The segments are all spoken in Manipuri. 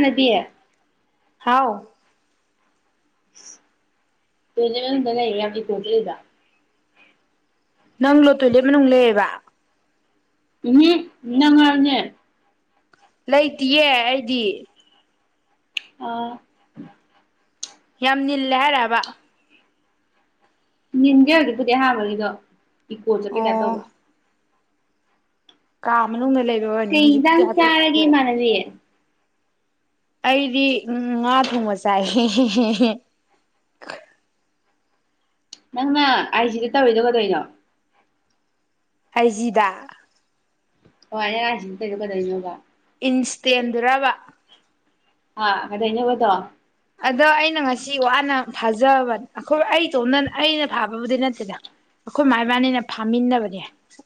ꯅꯗꯤ ꯍꯥꯎ ꯁ ꯑꯟꯏꯟꯇꯦꯜꯂꯤꯖꯦꯕꯜ ꯗ ꯅꯪꯂꯣ ꯇꯣꯏꯂꯦꯠ ꯃꯅꯨꯡ ꯂꯩꯑꯦꯕ ꯃꯤ ꯅꯍꯥꯟꯅꯦ ꯂꯩꯇꯤꯌꯦ ꯑꯩꯗꯤ ꯑꯣ ꯌꯥꯝ ꯅꯤꯜꯂꯦ ꯍꯥꯏꯔ ꯍꯥꯏꯕ ꯅꯤꯟꯒꯦ ꯍꯧꯖꯤꯛꯀꯤꯗꯤ ꯑꯍꯥꯟꯕꯒꯤꯗꯨ ꯏꯀꯣ ꯆꯠꯄꯩ ꯇꯥꯏꯞ ꯇꯧꯕ꯭ꯔꯥ ꯀꯥꯝ ꯀꯩ ꯏꯟꯖꯥꯡ ꯆꯥꯔꯒꯦ ꯏꯃꯥꯟꯅꯕꯤ ꯑꯩꯗꯤ ꯉꯥ ꯊꯣꯡꯕ ꯆꯥꯏꯍꯦꯍꯦꯍꯦ ꯅꯪꯅ ꯑꯥꯏ ꯖꯤꯗ ꯇꯧꯔꯤꯗꯣ ꯀꯗꯣꯏꯅꯣ ꯑꯥꯏ ꯖꯤꯗ ꯑꯣ ꯑꯥꯏ ꯑꯥꯏ ꯖꯤꯗ ꯇꯣꯏꯗꯨ ꯀꯩꯗꯣꯏꯅꯣꯕ ꯏꯟꯁꯇꯦꯟꯗꯨꯔꯥꯕ ꯑ ꯀꯗꯣꯏꯅꯣꯕ ꯑꯗꯣ ꯑꯗꯣ ꯑꯩꯅ ꯉꯁꯤ ꯋꯥꯅ ꯐꯥꯖꯕ ꯑꯩꯈꯣꯏ ꯑꯩꯇꯣꯝꯗ ꯑꯩꯅ ꯐꯥꯕꯕꯨꯗꯤ ꯅꯠꯇꯦꯗ ꯑꯩꯈꯣꯏ ꯃꯥꯥꯏꯕꯥꯅꯤꯅ ꯐꯥꯃꯤꯟꯅꯕꯅꯦ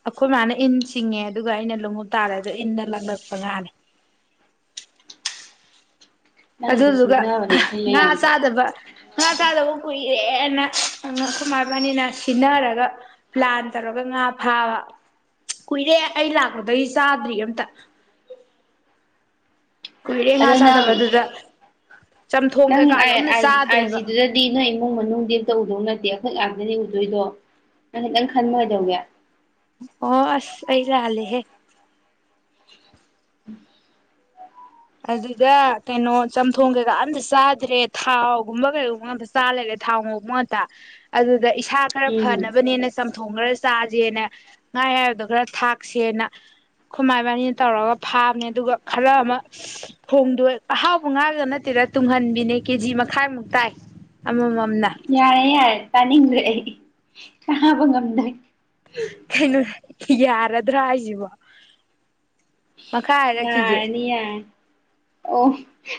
ꯑꯩꯈꯣꯏ ꯃꯥ ꯅ ꯏꯟ ꯆꯤꯡꯉꯦ ꯑꯗꯨꯒ ꯑꯩꯅ ꯂꯣꯡꯍꯨꯞ ꯇꯥꯜꯂꯦ ꯑꯗꯨ ꯏꯟꯗ ꯂꯛꯂꯛꯄ ꯉꯥꯅꯤ ꯅꯪꯒꯤꯗꯨ ꯑꯗꯨꯗꯨꯒ ꯁꯤꯡꯅꯕꯅꯦ ꯑ ꯑꯩꯈꯣꯏ ꯉꯥ ꯃꯌꯥꯝꯗꯣ ꯆꯥꯗꯕ ꯉꯥ ꯆꯥꯗꯕ ꯀꯨꯏ ꯀꯨꯏꯔꯦꯅ ꯑꯅ ꯑꯈꯣꯏ ꯃꯥ ꯏꯕꯥꯅꯤꯅ ꯁꯤꯟꯅꯔꯒ ꯄ꯭ꯂꯥꯟ ꯇꯧꯔꯒ ꯉꯥ ꯐꯥꯕ ꯀꯨꯏꯔꯦ ꯑꯩ ꯂꯥꯛꯄꯗꯒꯤ ꯆꯥꯗ꯭ꯔꯤ ꯑꯝꯇ ꯀꯨꯏꯔꯦ ꯉꯥ ꯑꯗꯣ ꯅꯪ ꯆꯥꯗꯕ ꯑꯗꯨꯗ ꯆꯝꯊꯣꯡ ꯅꯪ ꯀꯩꯀꯥꯗꯣ ꯑꯥꯏ ꯑꯝꯇ ꯑꯥꯏ ꯆꯥꯗ꯭ꯔꯦꯕ ꯑꯥꯏꯖꯤꯗꯨꯗꯗꯤ ꯅꯣꯏ ꯏꯃꯨꯡ ꯃꯅꯨꯡꯗꯤ ꯑꯝꯇ ꯎꯗꯧ ꯅꯠꯇꯦ ꯗꯛ ꯉꯥꯛꯇꯅꯤ ꯎꯗꯣꯏꯗꯣ ꯅꯪ ꯈꯤꯇꯪ ꯈꯟꯕ ꯀꯩꯗꯧꯒꯦ ꯑꯣ ꯑꯁ ꯑꯩ ꯂꯥꯜꯂꯦꯍꯦ ꯑꯟꯑꯣꯗꯤꯕꯜ ꯑꯗꯨꯗ ꯀꯩꯅꯣ ꯆꯝꯊꯣꯡ ꯀꯩꯀꯥ ꯑꯝꯇ ꯆꯥꯗ꯭ꯔꯦ ꯊꯥꯎꯒꯨꯝꯕ ꯀꯩꯒꯨꯝꯕ ꯉꯥꯛꯇ ꯆꯥ ꯂꯩꯔꯦ ꯊꯥꯎ ꯉꯧꯕ ꯉꯥꯛꯇ ꯑꯗꯨ ꯑꯗ ꯏꯁꯥ ꯈꯔ ꯎꯝ ꯐꯅꯕꯅꯦꯅ ꯆꯝ ꯊꯣꯡ ꯈꯔ ꯆꯥꯖꯦꯅ ꯉꯥ ꯑꯌꯥꯏꯕꯗꯣ ꯈꯔ ꯊꯥꯛꯁꯦꯅ ꯈꯣꯏꯃꯥ ꯏꯕꯥꯅꯤꯅ ꯇꯧꯔꯒ ꯐꯥꯕꯅꯦ ꯑꯗꯨꯒ ꯈꯔ ꯑꯃ ꯊꯣꯡꯗꯣꯏ ꯑꯍꯥꯎꯕ ꯉꯥꯒ ꯅꯠꯇꯦꯗ ꯇꯨꯡꯍꯟꯕꯤꯅꯦ ꯀꯦꯖꯤ ꯃꯈꯥꯏꯃꯨꯛ ꯇꯥꯏ ꯑꯃꯃꯝ ꯌꯥꯏ ꯌꯥꯏꯌꯦ ꯇꯥꯅꯤꯡꯗ꯭ꯔꯦ ꯑꯩ ꯇꯥꯕ ꯉꯝꯗ꯭ꯔꯦ ꯀꯩꯅꯣꯍꯦ ꯌꯥꯔꯗ꯭ꯔꯥ ꯍꯥꯏꯁꯤꯕꯣ ꯃꯈꯥ ꯍꯥꯏꯔꯛꯈꯤꯒꯦ ꯌꯥꯔꯅꯤ ꯌꯥꯔꯅꯤ ꯑꯣ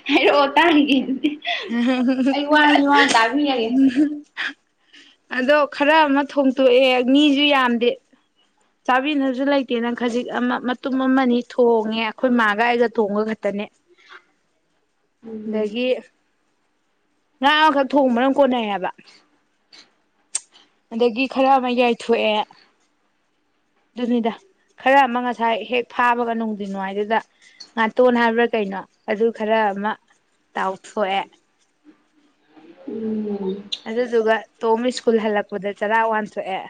ꯍꯥꯏꯔꯛꯑꯣ ꯇꯥꯒꯤꯒꯦ ꯇꯥꯕꯤꯔꯒꯦ ꯍꯍꯍꯍꯍ ꯑꯗꯣ ꯈꯔ ꯑꯃ ꯊꯣꯡꯇꯣꯛꯑꯦ ꯃꯤꯖꯨ ꯌꯥꯝꯗꯦ ꯆꯥꯕꯤꯅꯕꯁꯨ ꯂꯩꯇꯦꯅꯪ ꯈꯖꯤꯛ ꯑꯃ ꯃꯇꯨꯝ ꯑꯃꯅꯤ ꯊꯣꯡꯉꯦ ꯑꯩꯈꯣꯏ ꯃꯥꯒ ꯑꯩꯒ ꯊꯣꯡꯕ ꯈꯛꯇꯅꯦ ꯎꯝ ꯑꯗꯒꯤ ꯉ ꯈ ꯊꯣꯡꯕ ꯀꯣꯅ ꯌꯥꯕ ꯑꯗꯒꯤ ꯈꯔ ꯑꯃ ꯌꯥꯏꯊꯣꯛꯑꯦ ꯑꯗꯨꯅꯤꯗ ꯈꯔ ꯑꯃ ꯉꯁꯥꯏ ꯍꯦꯛ ꯐꯥꯕꯒ ꯅꯨꯡꯗꯤ ꯅꯨꯡꯉꯥꯏꯗꯨꯗ ꯉꯥꯇꯣꯟ ꯍꯥꯏꯕ꯭ꯔꯥ ꯀꯩꯅꯣ ꯑꯗꯨ ꯈꯔ ꯑꯃ ꯇꯥꯎꯊꯣꯛꯑꯦ ꯎꯝ ꯑꯗꯨꯗ ꯇꯒ ꯇꯣꯝ ꯁ꯭ꯀꯨꯜ ꯍꯜꯂꯛꯄꯗ ꯆꯔꯥꯛ ꯋꯥꯟꯊꯣꯛꯑꯦ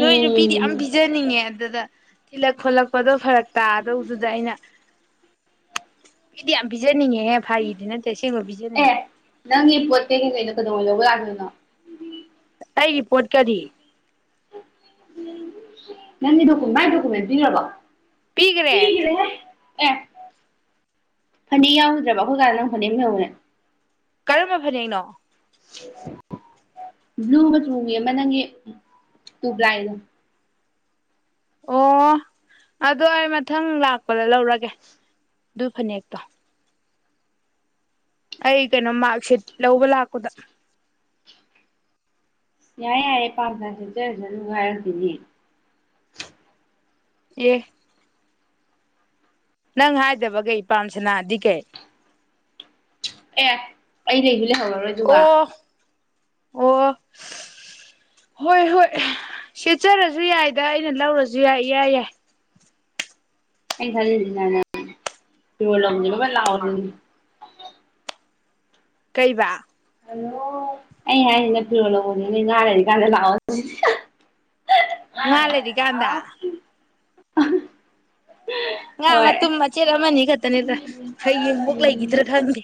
ꯅꯣꯏ ꯅꯨꯄꯤꯗꯤ ꯌꯥꯝ ꯄꯤꯖꯅꯤꯡꯉꯦ ꯑꯗꯨꯗ ꯊꯤꯜꯂꯛ ꯈꯣꯠꯂꯛꯄꯗꯣ ꯐꯔꯛ ꯇꯥꯗꯧꯗꯨꯗ ꯑꯩꯅ ꯃꯤꯗꯤ ꯌꯥꯝ ꯄꯤꯖꯅꯤꯡꯉꯦꯍꯦ ꯐꯩꯔꯤꯗꯤ ꯅꯠꯇꯦ ꯀꯉꯣꯕꯤꯖꯦ ꯅ ꯑꯦ ꯅꯪꯒꯤ ꯄꯣꯠ ꯀꯩ ꯀꯩ ꯀꯩꯅꯣ ꯀꯩꯧꯉ ꯂꯧꯕ ꯌꯥꯗꯣꯏꯅꯣ ꯑꯩꯒꯤ ꯄꯣꯠꯀꯗꯤ ꯅꯪꯗꯤ ꯗꯣꯀ ꯥꯏ ꯗꯣꯀꯃꯦꯦꯟꯔꯕꯕꯥ ꯄꯤꯒ꯭ꯔꯦ ꯑꯦ ꯐꯅꯦꯛ ꯌꯥꯎꯔꯨꯗ꯭ꯔꯕ ꯑꯩꯈꯣꯏꯖꯥꯅ ꯅꯪ ꯐꯅꯦꯛ ꯌꯧꯅꯦ ꯀꯔꯃꯦ ꯐꯅꯅꯣ ꯕ꯭ꯂꯨꯒ ꯆꯨꯉ ꯑꯃ ꯅꯪꯒꯤ ꯇꯨꯕ꯭ꯂꯥꯏꯗ ꯑꯣ ꯑꯗꯣ ꯑꯩ ꯃꯊꯪ ꯂꯥꯛꯄꯗ ꯂꯧꯔꯒꯦ ꯑꯗꯨ ꯐꯅꯦꯛꯇꯣ ꯑꯩ ꯀꯩꯅꯣ ꯃꯥꯔꯛꯁꯤꯠ ꯂꯧꯕ ꯂꯥꯛꯄꯗ ꯌꯥꯏ ꯌꯥꯏꯔꯦ ꯄꯥꯔꯗꯝ ꯆ ꯆꯖ ꯉꯥꯏꯔ ꯊ ꯌꯦ ꯅꯪ ꯍꯥꯏꯗꯕ ꯀꯩ ꯏ ꯄꯥꯝꯁꯤꯅꯗꯤ ꯀꯩ ꯑꯦ ꯑꯩ ꯂꯩꯒ ꯂꯩꯍꯧꯔꯔꯣꯏ ꯑꯗꯨꯒ ꯑꯣ ꯑꯣ ꯍꯣꯏ ꯍꯣꯏ ꯁꯦꯠꯆꯔꯁꯨ ꯌꯥꯏꯗ ꯑꯩꯅ ꯂꯧꯔꯁꯨ ꯌꯥꯏ ꯌꯥꯏ ꯌꯥꯏ ꯑꯩ ꯈ ꯂ ꯀꯩꯕ ꯑꯂꯣ ꯑꯩ ꯍꯥꯏꯁꯤꯅ ꯐꯤꯔꯣꯜ ꯂꯅꯤ ꯅ ꯉꯔꯗꯤ ꯀꯥꯟꯗ ꯂꯥꯛꯑꯣ ꯉ ꯂꯩꯗꯤ ꯀꯥꯟꯗ ꯑ ꯉꯥ ꯃꯇꯨꯝ ꯃꯆꯦꯠ ꯑꯃꯅꯤ ꯈꯛꯇ ꯅꯠꯇ꯭ꯔ ꯍꯌꯦꯡꯐꯣꯛ ꯂꯩꯈꯤꯗ꯭ꯔꯥ ꯈꯪꯗꯦ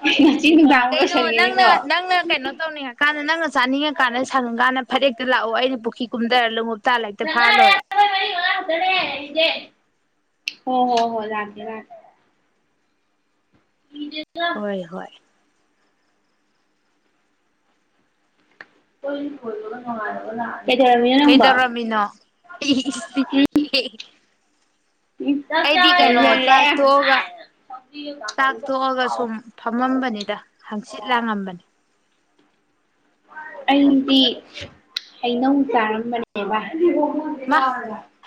ꯑ ꯀꯩꯅꯣ ꯅꯪꯅ ꯅꯪꯅ ꯀꯩꯅꯣ ꯇꯧꯅꯤ ꯍꯥꯏ ꯀꯥꯟꯗ ꯅꯪꯅ ꯆꯥꯅꯤꯡꯉꯀꯥꯟꯗ ꯁꯪꯉꯀꯥꯟꯗ ꯐꯔꯦꯛꯇ ꯂꯥꯛꯑꯣ ꯑꯩꯅ ꯄꯨꯈ꯭ꯔꯤ ꯀꯨꯝꯊꯔ ꯂꯨ ꯏꯂ ꯏꯇ ꯐꯥꯔꯅ ꯋꯥꯔꯦ ꯍ ꯍꯣ ꯍꯣ ꯂꯦ ꯂꯦ ꯍꯣꯏ ꯍꯣꯏ ꯀꯣꯏ ꯐ ꯉꯥꯏꯒ ꯂꯥꯛ ꯀꯩꯗꯧꯔꯝꯃꯤꯅꯣ ꯎꯝ ꯎꯝ ꯑꯩꯗꯤ ꯀꯩꯅꯣ ꯂꯣꯏꯁꯜꯂꯦ ꯆꯥꯛꯊꯣꯛꯑꯒ ꯆꯥꯛꯊꯣꯛꯑꯒ ꯁꯨꯝ ꯐꯝꯃꯝꯕꯅꯤ ꯗ ꯍꯪꯆꯤꯠ ꯂꯥꯡꯉꯝꯕꯅꯤ ꯑꯩꯗꯤ ꯍꯩꯅꯧ ꯆꯥꯔꯝꯕꯅꯦꯕ ꯃꯥ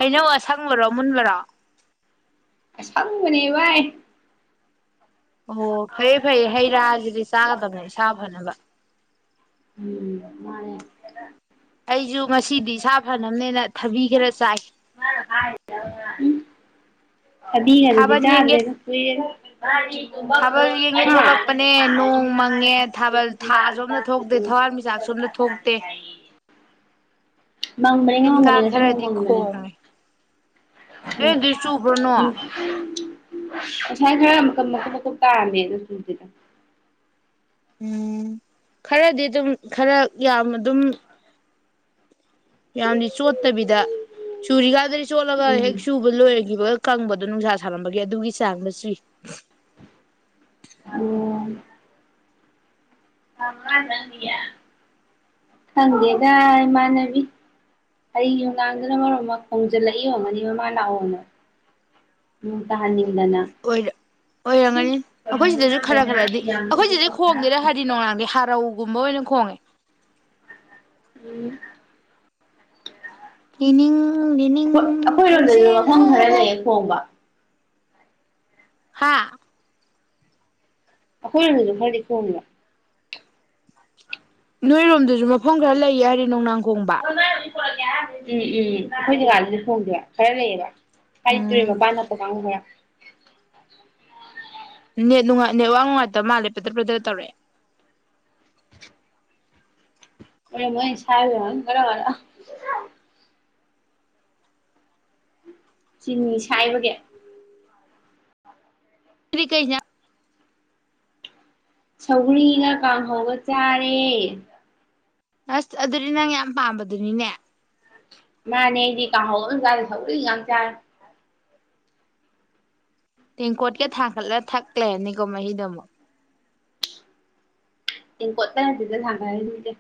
ꯍꯩꯅꯧ ꯑꯁ ꯁꯪꯕꯔꯣ ꯃꯨꯟꯕꯔꯣ ꯑꯁꯝꯕꯦꯚꯥꯏ ꯑꯣ ꯐꯩꯌꯦ ꯐꯩꯌꯦ ꯍꯩ ꯔꯥ ꯖꯤꯗꯤ ꯆꯥꯒꯗꯕꯅꯤ ꯏꯁꯥ ꯐꯅꯕ ꯎꯝ ꯃꯥꯅꯦ ꯑꯩꯁꯨ ꯉꯁꯤꯗꯤ ꯏꯁꯥ ꯐꯅꯕꯅꯦꯅ ꯊꯕꯤ ꯈꯔ ꯆꯥꯏ ꯊꯥꯗꯤꯒꯗꯨꯗꯤ ꯊꯥꯕꯜ ꯌꯦꯡꯒꯦ ꯆꯥꯗ꯭ꯔꯦꯗꯥ ꯀꯨꯏꯔꯦꯗꯥ ꯊꯥꯕꯜ ꯌꯦꯡꯒꯦ ꯊꯣꯛꯂꯛꯄꯅꯦ ꯅꯣꯡ ꯃꯪꯉꯦ ꯊꯥꯕꯜ ꯊꯥ ꯑꯁꯣꯝꯗ ꯊꯣꯛꯇꯦ ꯊꯋꯥꯟꯃꯤꯆꯥꯛ ꯁꯣꯝꯗ ꯍꯥ ꯊꯣꯛꯇꯦ [inaudible] ꯃꯥꯡꯕꯅꯦ ꯇꯤꯟ ꯉꯥꯡꯕꯅꯦ ꯀꯥꯡ ꯉꯁꯤ ꯅꯪ ꯈꯔꯗꯤ ꯃꯪꯕꯅꯦ ꯈꯣꯡꯉꯦ ꯅꯣꯏ ꯎꯝ ꯑꯗꯨ ꯆꯨꯕ꯭ꯔꯣ ꯎꯝ ꯅꯣꯡ ꯑꯁꯥꯏ ꯈꯔ ꯃꯀ ꯃꯀ ꯃꯀꯨꯝ ꯇꯥꯔꯝꯃꯦ ꯑꯗꯨ ꯆꯨꯗꯦꯗꯥ ꯎꯝ ꯈꯔꯗꯤ ꯑꯗꯨꯝ ꯈꯔ ꯌꯥꯝ ꯑꯗꯨꯝ ꯌꯥꯝꯗꯤ ꯆꯣꯠꯇꯕꯤꯗ ꯁꯨꯔꯤꯀꯥꯟꯗꯗꯒꯤ ꯆꯣꯠꯂꯒ ꯎꯝ ꯍꯦꯛ ꯁꯨꯕ ꯂꯣꯏꯔꯈꯤꯕ ꯀꯪꯕꯗꯣ ꯅꯨꯡꯁꯥ ꯁꯥꯥꯟꯔꯝꯕꯒꯤ ꯑꯗꯨꯒꯤ ꯆꯥꯡꯗ ꯆꯨꯏ ꯑꯣ [unintelligible] ꯈꯪꯗꯦꯗꯥ ꯏꯃꯥꯅꯕꯤ ꯍ ꯌꯨꯝꯗꯥꯡꯗꯨꯅ ꯃꯔꯨꯞ ꯑꯃ ꯈꯣꯡꯖꯤꯜꯂꯛꯏ ꯌꯦꯣꯟꯉꯅꯤ ꯃꯃꯥ ꯂꯥꯛꯑꯣꯅ ꯅꯣꯡ ꯇꯥꯍꯟꯅꯤꯡꯉ ꯑꯣꯏꯔꯝꯒꯅꯤ ꯑꯩꯈꯣꯏ ꯁꯤꯗꯁꯨ ꯈꯔ ꯈꯔꯗꯤ ꯑꯩꯈꯣꯏ ꯁꯤꯗꯤꯩ ꯈꯣꯡꯗꯦꯔ ꯍꯗꯤ ꯅꯨꯡꯂꯥꯡꯗꯤ ꯍꯔꯧꯒꯨꯝꯕ ꯑꯣꯏꯅ ꯈꯣꯡꯉꯦ ꯎ ꯌꯦꯅꯤꯡ ꯑꯩꯈꯣꯏꯔꯣꯝꯗꯗꯤ ꯃꯐꯝ ꯈꯔ ꯍꯔꯥꯎ ꯂꯩꯌꯦ ꯈꯣꯡꯕ ꯍꯥꯥ ꯑꯈꯣꯏ ꯔꯣꯝꯗꯗꯤ ꯈꯔꯗꯤ ꯈꯣꯡ ꯏꯕꯥ ꯅꯣꯏꯔꯣꯝꯗꯁꯨ ꯃꯐꯝ ꯈꯔ ꯂꯩ ꯍꯥꯏꯔꯦ ꯅꯨꯡꯅꯥꯡ ꯀꯣꯡꯕ ꯎꯝ ꯎꯝ ꯎꯝ ꯑꯈꯣꯏ ꯖꯒꯥꯥꯗꯥꯗꯤ ꯈꯣꯡꯗꯦ ꯈꯔ ꯂꯩꯌꯦꯕ ꯍꯥꯏ ꯇꯨꯔꯦ ꯎꯝ ꯃꯄꯥꯟ ꯅꯞꯄꯥ ꯀꯥꯡꯒꯨꯈꯔꯥ ꯅꯦꯠꯅꯨꯡꯥꯏ ꯅꯦꯠ ꯋꯥ ꯅꯨꯡꯉꯥꯏꯇꯕ ꯃꯥꯜꯂꯦ ꯄꯗꯔ ꯄ꯭ꯔꯗꯔ ꯇꯧꯔꯑꯦ ꯑꯣ ꯃꯣꯏ ꯆꯔ ꯈꯔꯕꯔ [unintelligible] ꯆꯤꯅꯤ ꯁꯥꯏꯕꯒꯦ ꯁꯤꯗꯤ ꯀꯩ ꯁꯧꯒꯔ꯭ꯤ ꯒꯥ ꯀꯥꯡꯍꯧꯒ ꯆꯥꯔꯦ ꯑꯁ ꯑꯗꯨꯗꯤ ꯅꯪ ꯌꯥꯝ ꯄꯥꯝꯕꯗꯨꯅꯤꯅꯦ ꯃꯅꯦ ꯑꯩꯗꯤ ꯀꯥꯡꯍꯧ ꯑꯝ ꯆꯥꯗꯦ ꯁꯧꯒꯔ꯭ꯤ ꯉꯥꯛ ꯆꯥꯔꯦ ꯇꯦꯡꯀꯣꯠꯀꯥ ꯊꯥꯡꯒꯜꯂ ꯊꯛꯂꯩꯔꯝꯅꯤ ꯃꯍꯤꯗ ꯑꯃ ꯇꯦꯡꯀꯣꯠ ꯇꯥ ꯅꯠꯇꯦꯗꯥ ꯊꯪꯡꯒꯠꯂꯤꯁꯤꯗꯤ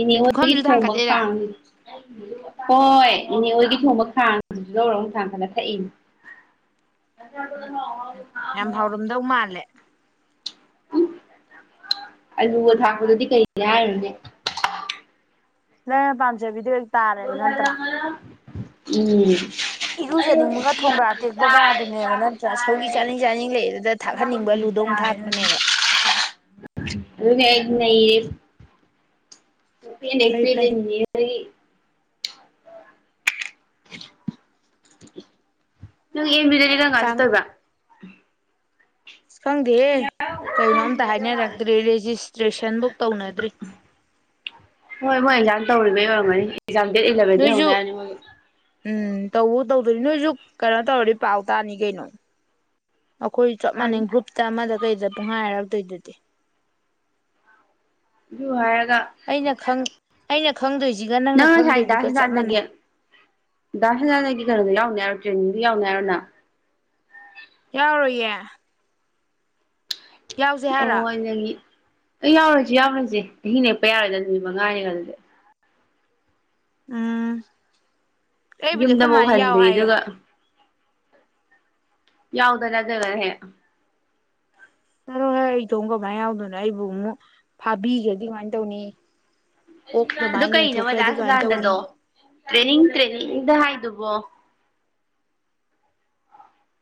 ꯏꯅꯦꯉꯣꯟꯗꯒꯤ ꯄꯨꯈꯝꯁꯨ ꯊꯣꯡꯕꯒ ꯊꯥꯡꯒꯠꯂꯤꯔꯥ ꯈꯥꯡ ꯍꯣꯏ ꯏꯅꯦ ꯑꯣꯏꯣꯏꯒꯤ ꯊꯣꯡꯕ ꯈꯥꯡꯁꯤꯁꯨ ꯂꯧꯔ ꯊꯥꯡ ꯈꯅ ꯊꯛꯏꯅꯦ ꯌꯥꯝ ꯐꯥꯎꯔꯝꯗꯧ ꯃꯥꯜꯂꯦ ꯑꯂꯨꯒ ꯊꯥꯛꯄꯗꯗꯤ ꯀꯩꯅꯦ ꯍꯥꯏꯔꯅꯦꯦ ꯂ ꯄꯖꯕꯤꯗ ꯇꯥꯔꯦ ꯑꯗꯨ ꯅꯠꯇ꯭ꯔ ꯎꯝ ꯏꯔꯨꯖꯅꯤꯡꯕꯒ ꯊꯣꯡꯒ꯭ꯔꯥ ꯇꯦꯛꯄꯒ ꯑꯗꯨꯅꯦꯕ ꯅꯠꯇ꯭ꯔ ꯁꯧꯔꯤ ꯆꯥꯅꯤꯡ ꯆꯥꯅꯤꯡ ꯂꯩ ꯑꯗꯨꯗ ꯊꯥꯛꯍꯟꯅꯤꯡꯕ ꯂꯨꯗꯣꯡ ꯊꯥꯛꯄꯅꯦꯕ ꯅ ꯐꯩ ꯅꯦꯄꯤ ꯐꯩ ꯂꯩ [inaudible] ꯡꯕꯤꯗ ꯂꯩꯗꯪ ꯉꯁꯨ ꯀꯥꯡ ꯇꯣꯏꯕ ꯎꯝ ꯑꯁ ꯈꯪꯗꯦ ꯀꯩꯅꯣꯝꯇ ꯍꯥꯏꯅꯔꯛꯇ꯭ꯔꯤ ꯔꯦꯖꯤꯁꯇ꯭ꯔꯦꯁꯟꯐꯧ ꯇꯧꯅꯗ꯭ꯔꯤ ꯇꯧꯃꯦ ꯋꯥꯉꯅꯤ ꯑꯦꯛꯖꯝ ꯗꯦꯠ ꯏꯂꯚꯦꯟꯗ ꯅꯣꯏꯁꯨ ꯍꯧꯅꯔꯅꯤ ꯃ ꯎꯝ ꯇꯧꯕ ꯇꯧꯗꯣꯏꯅꯤ ꯅꯣꯏꯁꯨ ꯀꯩꯅꯣ ꯇꯧꯔꯗꯤ ꯄꯥꯎ ꯇꯥꯅꯤ ꯀꯩꯅꯣ ꯑꯩꯈꯣꯏ ꯆꯞ ꯇꯥꯅꯤ ꯃꯥꯟꯅꯩ ꯒ꯭ꯔꯨꯞꯇ ꯑꯃꯗ ꯀꯩꯗ ꯄꯨꯡꯍꯥꯏꯔꯗꯣꯏꯗꯨꯗꯤ ꯍꯥꯏꯔ ꯑꯩꯅ ꯈꯪ ꯑꯩꯅ ꯈꯪꯗꯣꯏꯁꯤꯒ ꯅꯪꯅ ꯅꯪ ꯉꯁꯥꯏ ꯗꯥꯁ ꯈꯪꯗꯣꯏꯗꯨꯒ ꯆꯞ ꯃꯥꯟꯅꯩ ꯍꯗꯥꯥꯟꯗꯒꯤꯗꯥꯁ ꯍꯖꯥꯟꯗꯒꯤ ꯀꯩꯅꯣꯗ ꯌꯥꯎꯅꯤ ꯌꯥꯔ ꯆꯕꯤ ꯌꯥꯅꯅ ꯌꯥꯎꯔꯣꯏꯌꯦ ꯌꯥꯎꯁꯦ ꯑꯣ ꯍꯥꯏꯔꯣ ꯑꯅꯤ ꯑꯩ ꯌꯥꯎꯔꯁꯤ ꯌꯥꯎꯔꯁꯦ ꯆꯍꯤ ꯅꯦꯛꯄ ꯌꯥꯔꯣꯏꯗ ꯅꯨꯃꯤꯠ ꯃꯉꯥꯅꯤꯒ ꯑꯗꯨꯗꯤ ꯑ ꯌꯨꯝꯗꯐꯥꯎ ꯍꯟꯗꯦ ꯑꯗꯨꯒ ꯌꯥꯎꯗꯅꯖꯒꯥ ꯍꯦ ꯑꯔꯣꯏ ꯍꯣꯏ ꯑꯩ ꯊꯣꯡ ꯀꯃꯥꯏꯅ ꯌꯥꯎꯗꯣꯏꯅꯣ ꯑꯩꯕꯨ ꯑꯃꯨꯛ ꯐꯥꯕꯤꯒꯗꯤ ꯀꯃꯥꯏꯅ ꯇꯧꯅꯤ ꯑꯣꯛ ꯑꯗꯨ ꯑꯗꯨꯃꯥꯏꯅ ꯀꯩꯅꯣ ꯌꯣꯟꯊꯣꯛꯈ꯭ꯔꯗꯤ ꯀꯃꯥꯏꯅ ꯇꯧꯅꯤ ꯃꯖꯥꯁꯀꯗꯗꯣ ꯇ꯭ꯔꯦꯅꯤꯡ ꯇ꯭ꯔꯦꯅꯤꯡꯗ ꯍꯥꯏꯗꯨꯕꯣ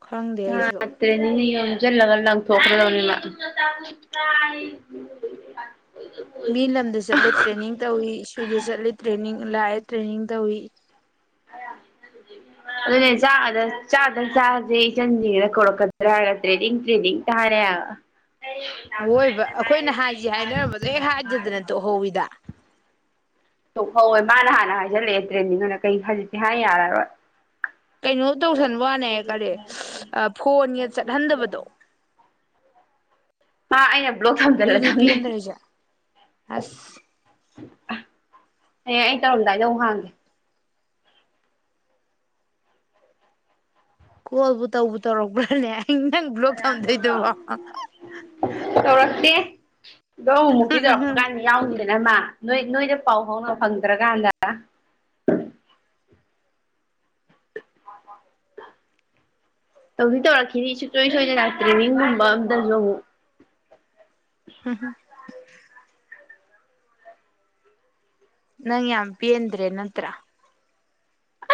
ꯈꯪꯗꯦ ꯑꯩꯁꯨ ꯑꯦ ꯅ ꯖ ꯂꯒ ꯂ ꯊꯣꯛ꯭ꯔ ꯂꯧꯧꯅꯤ ꯃꯤ ꯂꯝꯗ ꯆꯠꯂꯤ ꯇ꯭ꯔꯦꯅꯤꯡ ꯇꯧꯋꯤ ꯁꯏꯗ ꯆꯠꯂꯦ ꯇ꯭ꯔꯦꯅꯤꯡ ꯂꯑ ꯇ꯭ꯔꯦꯅꯤꯡ ꯇ ꯍꯏ ꯑꯗꯨꯅꯦ ꯆ ꯆꯥꯗ ꯆꯥꯁꯦ ꯏꯆꯟꯁꯤꯡ꯭ꯔꯤꯉꯩꯗ ꯀꯔꯛꯀꯗ꯭ꯔꯥ ꯍꯥꯏꯒ ꯇ꯭ꯔꯦꯗꯤꯡ ꯇ꯭ꯔꯦꯗꯤꯡ ꯇꯥꯔꯦ ꯍꯥꯏꯒ ꯑꯋꯣꯏꯕ ꯑꯩꯈꯣꯏꯅ ꯍꯥꯏꯁꯤ ꯍꯥꯏꯅꯔꯝꯕꯗꯣ ꯍ ꯍꯥꯏꯗꯗꯅ ꯇꯣꯛꯍꯧꯋꯤꯗ ꯇꯍꯧꯋꯦ ꯃꯥꯅ ꯍꯥꯟꯅ ꯍꯥꯏꯖꯜꯂꯛꯑꯦ ꯇ꯭ꯔꯦꯟꯅꯤꯡꯅ ꯀꯩ ꯍꯧꯖꯤꯛꯇꯤ ꯍꯥꯟꯅ ꯌꯥꯔꯔꯣꯏ ꯀꯩꯅꯣ ꯇꯧꯁꯟ ꯋꯥꯅꯦ ꯀꯔꯤ ꯐꯣꯟꯒ ꯆꯠꯍꯟꯗꯕꯗꯣ ꯃꯥ ꯑ ꯨꯅꯤꯄꯤꯗ꯭ꯔꯖ ꯑꯁ ꯍꯌꯦ ꯑꯩ ꯇꯧꯔꯝꯗꯥꯏꯗ ꯑꯃꯨꯛ ꯍꯥꯡꯒꯦ ꯀꯣꯜꯕꯨ ꯇꯧꯕ ꯇꯧꯔꯛꯄ꯭ꯔꯥꯅꯦ ꯑꯩ ꯅꯪ ꯕ꯭ꯂꯣꯛ ꯊꯝꯗꯣꯏꯗꯨꯕꯣ ꯇꯧꯔꯁꯇꯦ [inaudible] ꯑꯗꯨꯧ ꯃꯨꯔꯇꯤꯗ ꯐꯨꯀꯥꯏꯅꯤ ꯌꯥ ꯅꯃ ꯅꯣꯏ ꯅꯣꯏꯗ ꯄꯥꯎ ꯐꯥꯎꯅ ꯐꯪꯗ꯭ꯔꯀꯥꯟꯗ ꯇꯧꯗꯤ ꯇꯧꯔꯛꯈꯤꯅꯤ ꯁꯨꯡꯁꯣꯏ ꯁꯣꯏꯗꯅ ꯂꯥꯛꯇ꯭ꯔꯤ ꯃꯤꯅꯤꯒꯨꯝꯕ ꯑꯝꯇꯁꯨ ꯑꯃꯨꯛ ꯍ ꯅꯪ ꯌꯥꯝꯄꯤꯟ꯭ꯔꯦ ꯅꯠꯇ꯭ꯔ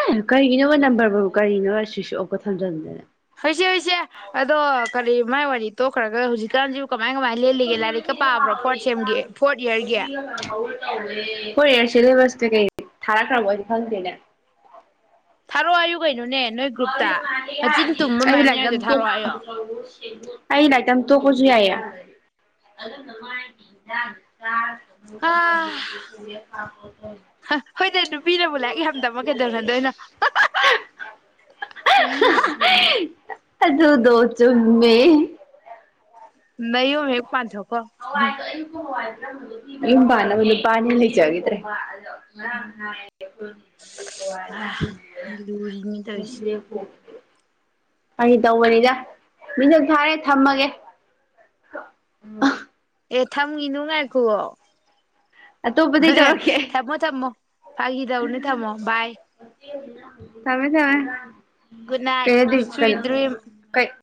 ꯑꯦ ꯀꯔꯤꯒꯤꯅꯣ ꯅꯝꯕꯔꯕꯨꯕꯨ ꯀꯔꯤꯅꯣ ꯁ꯭ꯋꯁ ꯑꯣꯞꯀ ꯊꯝꯖꯕꯗꯦꯅꯦ ꯍꯣꯏꯁꯦ ꯍꯣꯏꯁꯦ ꯑꯗꯣ ꯀꯔꯤ ꯃꯥꯏ ꯋꯥꯔꯤ ꯇꯣꯛꯈ꯭ꯔꯒ ꯍꯧꯖꯤꯛꯀꯥꯟꯁꯤꯕꯨ ꯀꯃꯥꯏ ꯀꯃꯥꯏ ꯌꯥ ꯂꯦꯜꯂꯤꯒꯦ ꯂꯥꯏꯔꯤꯛꯀ ꯄꯥꯕ꯭ꯔꯣ ꯐꯣꯔꯠ ꯁꯦꯝꯒꯤ ꯐꯣꯔꯠ ꯏꯌꯥꯔꯒꯤ ꯇꯦ ꯀꯣꯔꯤꯌꯔ ꯁꯤꯂꯦꯕꯁꯇ ꯀꯩ ꯊꯥꯔꯛꯈ꯭ꯔꯕꯗꯤ ꯈꯪꯗꯦꯅꯦ ꯔꯌꯒꯦꯅꯨ ꯅ ꯑꯩ ꯂꯥꯏꯇ ꯌꯥꯎꯔꯤꯗꯣ ꯇ ꯊꯥꯔꯛꯑꯣ ꯍꯥꯏꯌꯣ ꯑꯩ ꯂꯥꯏꯇ ꯇ ꯄꯨ ꯌꯥꯏ ꯑ ꯍꯣꯏꯗ ꯅꯨꯄꯤꯅꯕꯨ ꯂꯥꯏꯔꯤꯛ ꯌꯥꯝꯗꯃ ꯀꯩꯗꯧꯅꯗꯣꯏꯅꯣ ꯑ ꯑꯗꯨ ꯑꯗꯨꯗꯣ ꯆꯨꯝꯃꯦ ꯅ ꯑꯃ ꯄꯥꯟ ꯍꯣꯏꯣ ꯏ ꯍꯣꯏ ꯏꯝꯕꯅꯄꯥꯅꯤ ꯏ ꯂꯤꯆꯒꯗ꯭ꯔꯦ ꯀꯋꯥ ꯃꯆꯅꯦ ꯂꯨꯔꯤꯅꯤ ꯇꯧꯔꯤꯁꯦ ꯐꯦ ꯀ ꯇꯧꯕꯅꯤꯗ ꯃꯤꯗ ꯊꯥꯔꯦ ꯊꯝꯃꯒꯦ ꯎꯝ ꯑꯦ ꯊꯝꯉ ꯅꯨꯡꯉꯥꯏꯈꯣ ꯑꯇꯣꯞꯄꯗꯩ ꯇꯧꯔꯛꯀꯦ ꯑꯩ ꯊꯃꯣ ꯊꯃꯣ ꯐꯥꯒꯤꯗꯎꯅꯤ ꯊꯝꯃꯣ ꯕꯥꯏ ꯊꯃꯦ ꯆꯃꯦ ꯒꯨꯗ ꯅꯥꯏꯠ ꯀꯗꯤ ꯁ꯭ꯋꯤꯠ ꯀꯅ ꯗ꯭ꯔꯤꯝ ꯀꯩ [unintelligible]